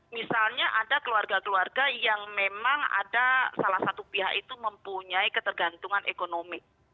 misalnya ada keluarga keluarga yang memang ada salah satu pihak itu mempunyai ketergantungan ekonomi